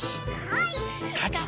はい。